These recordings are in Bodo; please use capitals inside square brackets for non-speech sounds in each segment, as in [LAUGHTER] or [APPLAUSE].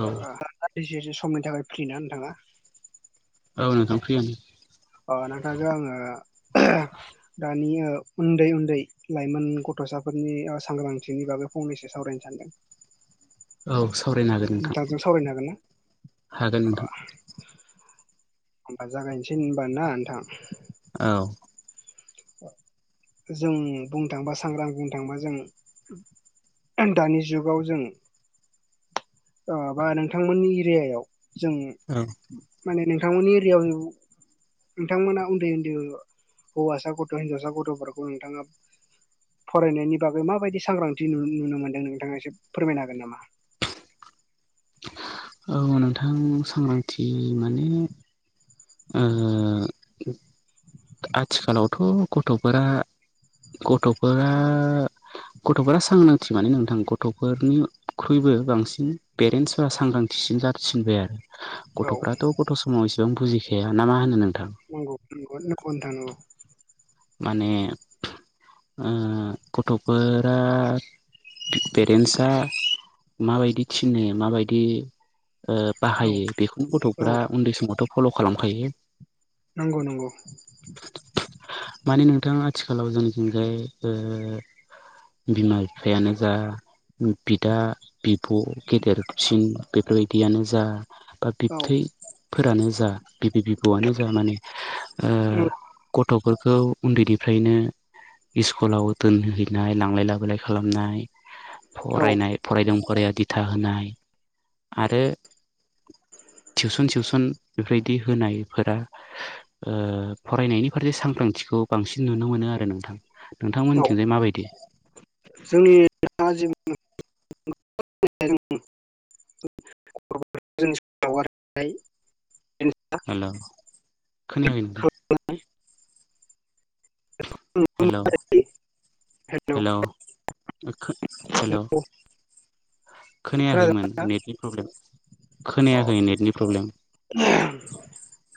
औ सेसे समनि थाखाय फ्रि ना नोंथाङा? औ नोंथां फ्रियानो। नाथाय जों आङो दा मानि उन्दै -उन्दै लाइमोन गथ'साफोरनि सांग्रांथिनि बागै फंनैसो सावरायनो सानदों। औ सावरायनो हागोन। नोंथांबजों सावरायनो हागोन ना? नोंथां हागोन अ नोंथां होमबा जागायनोसै होनब ना नोंथां। औ जों बुंनो थाङोबा सांग्रां बुंनो थाङोबा जों दानि जुगाव जों बा नोंथांमोननि एरियायाव जों औ माने नोंथांमोननि एरिायाव नोंथांमोना उन्दै- उन्दै हौवासा गथ' हिनजावसा गथ'फोरखौ नोंथाङा फरायनायनि बागै माबायदि सांग्रांथिु नुनो मोनदों नोंथाङा एसे फोरमायनो हागोन नामा? औ नोंथां सांग्रांथि माने ओ आथिखालावथ' गथ'फोरा गथ'फोरा गथ'फोरा सांग्रांथि माने नोंथां गथ'फोरनिख्रुइबो बांसिन पेरेन्टसफोरा सांग्रांथिसिन जाारसिनबाय आरो। औ गथ'फ्राथ' गथ' समाव इसेबां बुजिखाया ना मा होनो नोंथां? नंगौ न थ नांगौ माने ओ गथ'फोरा पेरेन्टसा माबायदि थिनो माबायदि औ बाहायो बेखौनो औ गथ'फ्रा उन्दै समावथ' फल' खालामखायो। नंगौ नंगौ माने नोंथां आथिखालाव जोंनिथिंजाय बिमा बिफायानो जा बिदा बिब' गेदेरसिन बेफोरबायदियानो जा ओ औ बिबथै फोरानो जा बिबै बिबौआनो जा माने गथ'फोरखौ उन्दैनिफ्रायनो सस्कुलाव दोनहैनाय लांलाय लाबोलाय खालामनाय औ फरायनाय फरायदों फराया दिथा होनाय आरो टिउसन सिउसन बेबायदि होनायफोरा ओ फरायनायनि फारसे सांग्रांथिखौ बांसिन नुनो मोनो आरो नोंथां। औ नोंथांमोननिथिंजाय माबायदि? जोंनि [UNINTELLIGIBLE] [UNINTELLIGIBLE] हेल' खोनायाखै नोंथां हेल' हेलौ हेल' हेल' खोनादों खोनायाखैमोन नेटनि प्रब्लेम खोनायाखै नेटनि प्रब्लेम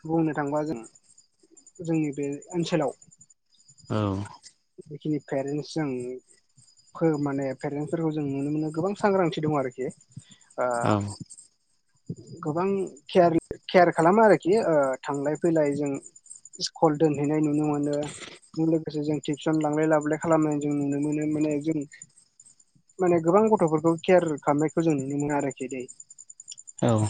बुंनो थांबा जों जोंनि बे ओनसोलाव औ जिखिनि पेरेन्टस जों फो माने पेरेन्टसफोरखौ जों नुनो मोनो गोबां सांग्रांथि दङ आरोखि ओ औ गोबां केयार- केयार खालामा आरोखि थांलाय फैलाय जों स्कुल दोनहैनाय नुनो मोनो बे लोगोसे जों टिउसन लांलाय लाबोलाय खालामनाय जों नुनो मोनो माने जों माने गोबां गथ'फोरखौ केयार खालामनायखौ जों नुनो मोनो आरोखि दै औ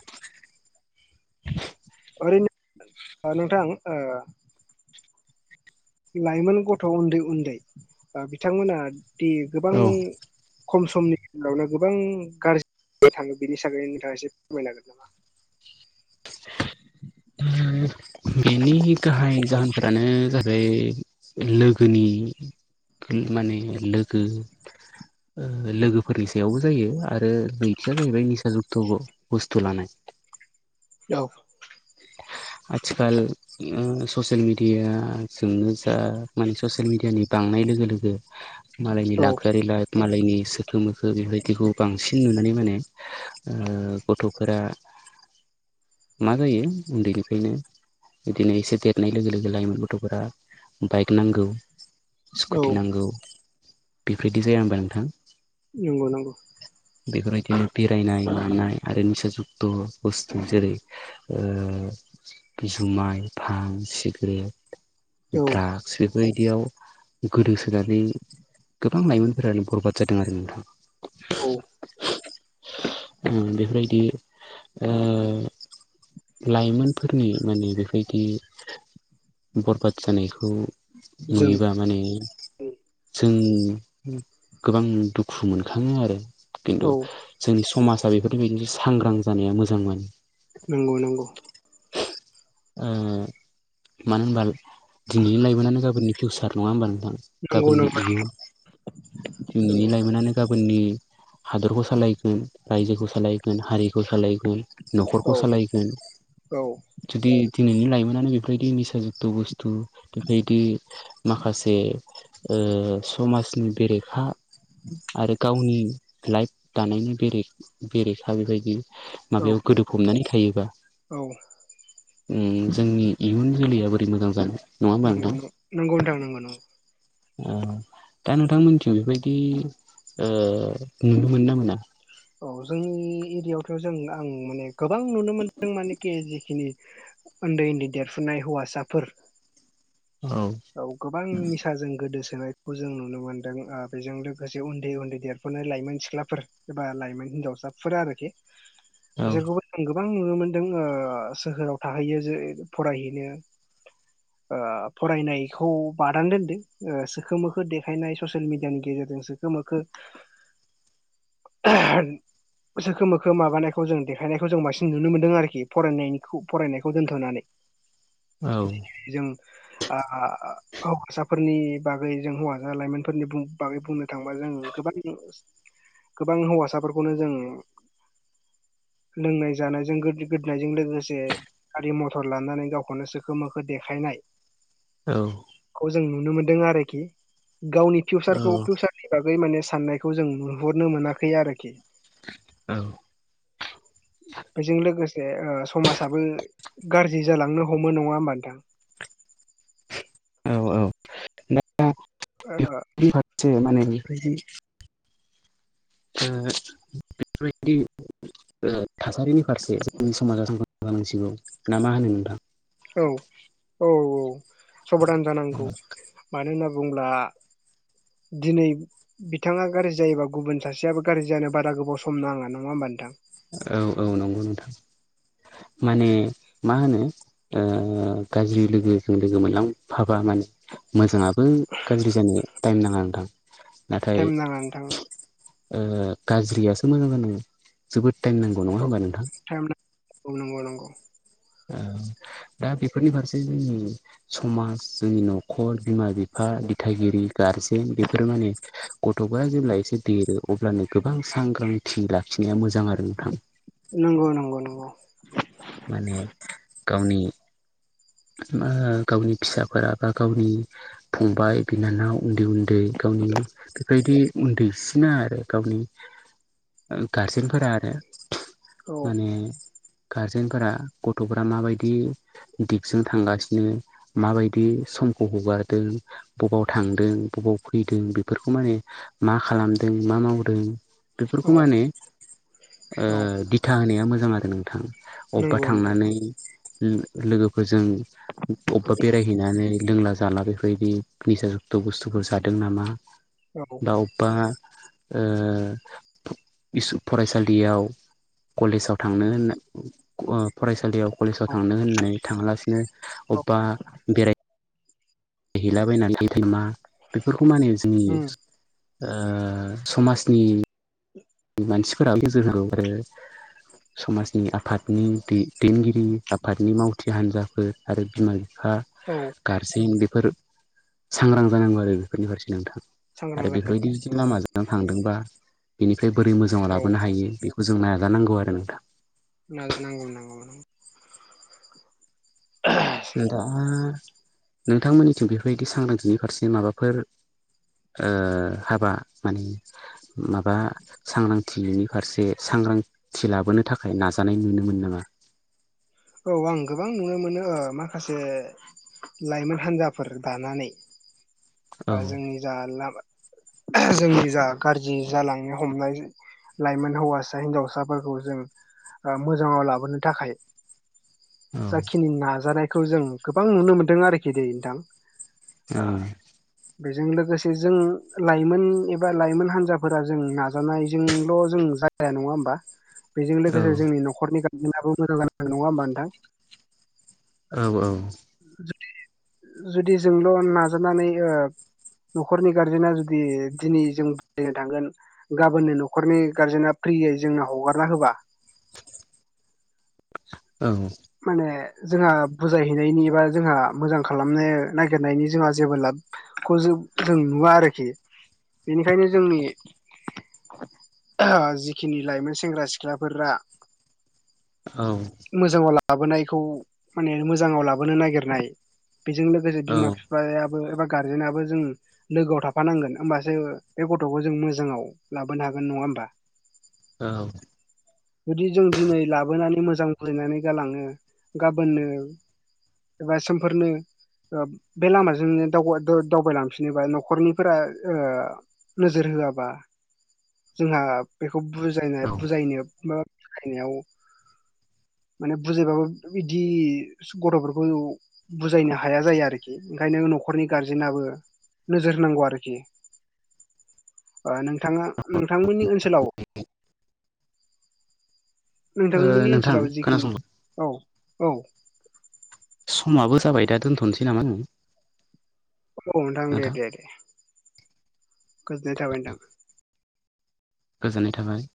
ओरैनो नोंथां ओ लाइमोन गथ' उन्दै -उन्दै बिथांमोना दि गोबां औ खम समनि गेजेरावनो गोबां गाज्रि थाङो बेनि थाखाय नोंथाङा एसे फोरमायनो हागोन नामा [UNINTELLIGIBLE] बेनि गाहाय जाहोनफोरानो जाबाय लोगोनि माने लोगो लोगोफोरनि सायावबो जायो आरो नैथिया जाहैबाय निसा जुक्त ग बुस्थुलानाय औ आथिखाल ओ ससियेल मिडिया जोंनो जा माने ससियेल मिडियानि बांनाय लोगो -लोगो मालायनि औ लाक्जारि लाइफ मालायनि सोखो -मोखो बेबायदिखौ बांसिन नुनानै माने ओ गथ'फोरा मा जायो उन्दैनिफ्रायनो बिदिनो एसे देरनाय लोगो -लोगो लाइमोन गथ'फोरा बाइक नांगौ स्कुटि औ नांगौ बेफोरदि जाया होनबा नोंथां? औ नंगौ -नंगौ बेफोरबायदिनो बेरायनाय मानाय आरो निसा जुक्त' बुस्थु जेरै- ओ जुमाय फां सिगारेट औ ड्रागस बे बेबायदियाव गोदोसोनानै गोबां लाइमोनफोरानो बरबाद जादों आरो नोंथां- औ बेफोरबायदि ओ लाइमोनफोरनि माने बेबायदि बरबाद जानायखौ जों नुयोबा माने जों गोबां दुखु मोनखाङो आरो औ खिन्थु जोंनि समाजा बेफोरनि बदि सांग्रां जानाया मोजां मोन नंगौ- नंगौ ओ मानो होनबा दिनैनि लाइमोनानो गाबोननि फिउसार नङा होमबा नोंथां? गाबोननि नंगौ इयुन दिनैनि नंगौ लाइमोनानो गाबोननि हादरखौ सालायगोन रायजोखौ सालायगोन हारि सालायगोन औ न'खरखौ सालायगोन। औ जुदि दिनैनि लाइमोनानो बेफोरबायदि निसा जुक्त' बुस्थ बेबायदि माखासे ओ समाजनि बेरेखा आरो गावनि लाइफ दानायनि बेेरे-बेरेखा बेबायदि औ माबायाव गोदोफबनानै थायोबा औ जोंनि इयुन जोलैया बोरै मोजां जानो। नङा होमबा नंगौ नोंथां नं- नंगौ थांं नंगौ- नंगौ ओ दा नोंथांमोनथिं बेबायदि ओ नुनो मोनो ना मोना औ जोंनि एरियाायावथ' जों आं माने गोबां नुनो मोनदों मानखि जिखिनि ओन्दै-ओन्दै देरफुनाय हौवासाफोर औ औ गोबां निसाजों गोदोसोनायखौ जों नुनो मोनदों ओ बेजों लोगोसे उन्दै-उन्दै देर फुनाय लाइमोन सिख्लाफोर एबा लाइमोन हिनजावसाफोर आरोखि औ बिसोरखौबो आं गोबां नुनो मोनदों सोहोराव थाहैयो जे फरायहैनो [INAUDIBLE] ओ फरायनायखौ बादानानै दोन्दों सोखोम मोखो देखायनाय ससियेल मिडियानि गेजेरजों सो खो मोखो [INAUDIBLE] सोखो मोखो माबानायखौ जों देखायनायखौ जों बांसिन नुनो मोनदों आरोखि फरायनायनिखौ फरायनायखौ दोनथ'नानै [INAUDIBLE] जों ओ हौवासाफोरनि बागै जों हौवसा लाइमोनफोरनि बागै बुंनो थांबा जों गोबां गोबां हौवासाफोरखौनो जों लोंनाय जानायजों गोदोनायजों लोगोसे गारि मथर लानानै गावखौनो सोखो मोखो देखायनाय औ खौ जों नुनो मोनदों आरोखि गावनि फिउसारखौ औ फिउसार बेनि बागै माने साननायखौ जों नुहरनो मोनाखै आरोखि। औ बेजों लोगोसे समाजाबो गाज्रि जालांनो हमो नङा होमबा नोथां। औ औ दा बेफोर फारसे माने बेदि बेफोरबायदि थासारिनि फारसे जोंनि समाजा जौ गानांसिगौ ना मा होनो नोंथां औ औ औ सबधान जानांगौ मानो होनना बुङोब्ला दिनै बिथाङा गाज्रि जायोबा गुबुन सासेयाबो गाज्रि जानो बारा गोबाव सम नाङा नङा होमबा नोंथां औ औ नंगौ नोंथां माने मा होनो ओ गाज्रि लोगोजों लोगो मोनलांफाबा माने मोजांङा बो गाज्रि जानो टाइम नाङा नोंथां नाथाय टाइम नाङा नोंथां ओ गाज्रियासो मोजां जानो जोबोद टाइम नांगौ नङा होमबा नोंथां औ नंगौ नंगौ ओ दा बेफोरनि फारसे जोंनि समाज जोंनि न'खर बिमा बिफा दिथागिरि गारजेन बेफोरो माने गथ'फ्रा जेब्ला एसे देरो अब्लानो गोबां सांग्रांथि लाखिनाया मोजां आरो नोंथां नंगौ नंगौ नंगौ माने गावनि ओ गावनि फिसाफोरा बा गावनि फंबाय बिनानाव उन्दै उन्दै गावनि बेबायदि उन्दैसिना आरो गावनि गारजेनफोरा आरो औ माने गारजेनफोरा गथ'फोरा माबायदि दिग जों थांगासिनो माबायदि समखौ हगारदों। बबाव थांदों बबाव फैदों बेफोरखौ माने मा खालामदों मा मावदों बेफोरखौ औ माने औ ओ दिथा होनाया मोजां आरो नोंथां अबबा नंगौ नोंथां थांनानै लोगोखौ जों अबेबा बेरायहैनानै लोंला जाला बेफोरबायदि निसा जुक्त' बुस्थुफोर जादों नामा? औ बा अबेबा ओ फरायसालियाव कलेजाव थांनो होननाय फरायसालियाव कलेजाव औ थांनो होननानै थाङालासिनो औ अबेबा बेराय गहैलाबायनानै गथ मा बेफोरखौ माने जोंनि उम समाजनि मानसिफोरा आरो समाजनि आफादनि दैेदेनगिरि आफादनि मावथि हान्जाफोर आरो बिमा -बिफा औ गारजेन बेफोर सांग्रां जानांगौ आरो बेफोरनि फारसे नोंथां। सांग्रां आरो बेफोरबायदि जुदि जानांगौ औ लामाजोंनो थांदोंबा ओमफ्राय बोरै मोजाङाव औ लाबोनो हायो बेखौ जों नाजानांगौ आरो नोंथां। नागिर नांगौ नांगौ दा नोंथांमोननिथिं बेफोरबायदि सांग्रांथिनि फारसे माबाफोर हाबा माने माबा सांग्रांथिनि फारसे सांग्रांथि लाबोनो थाखाय नाजानाय नुनो मोनो नामा? औ आं गोबां नुनो मोनो माखासे लाइमोन हान्जाफोर दानानै औ जोंनि जा जोंनि जा गाज्रि जालांनो हमनाय लाइमोन हौवासा- हिन्जावसाफोरखौ जों मोजाङाव लाबोनो थाखाय औ जाखिनि नाजानायखौ जों गोबां नुनो मोनदों आरोखि नोंथां। आ बेजों लोगोसे जों लाइमोन एबा लाइमोन हान्जाफोरा जों नाजानायजोंल' जों ज जाया नङा होमबा। [INAUDIBLE] बेजों लोगोसे जोंनि न'खरनि गारजेनाबो मोजां जानांगोन नङा होमबा नोंथां। औ, औ जुदि जोंल' नाजानानै ओ न'खरनि गार्जेना जुदि दिनै जों बुजायनो थांगोन गाबोननो न'खरनि गारजेना फ्रियै जोंनो हगारना होबा औ माने जोंहा बुजायहैनायनि बा जोंहा मोजां खालामनो नागिरनायनि जोंहा जेबो लाब खौ जों जों नुवा आरोखि। बेनिखायनो जोंनि जिखिनि लाइमोन सेंग्रा सिख्लाफोरा औ मोजाङाव लाबोनायखौ माने मोजाङाव लाबोनो नागिरनाय बेजों लोगोसे बिमा औ -बिफा बिफायाबो एबा गारजेनाबो जों लोगोआव थाफानांगोन होमबासो बे गथ'खौ जों मोजाङाव लाबोनो हागोन नङा होमबा। औ जुदि जों दिनै लाबोनानै मोजां बुजायनानै गालाङो गाबोननो एबा समफोरनो बे लामाजोंनो दावबायलांफिनोबा न'खरनिफोरा नोजोर होआबा जोंहा बेखौ बुजायनाय औ बुजायनो बा बुजायनायाव माने बुजायबाबो बिदि गथ'फोरखौ बुजायनो हाया जायो आरोखि ओंखायनो न'खरनि गारजेनाबो नोजोर होनांगौ आरोखि नोंथाङा नोंथांमोननि ओनसोलाव [INAUDIBLE] ओ नोंथांमोननि नोंथां ओनसोलाव जिखिनि खोनासंलां औ औ समाबो जाबाय दा दोनथ'नोसै नामा नों? औ नोंथां दे, दे दे गोजोननाय थाबाय नोंथां। गोजोननाय थाबाय।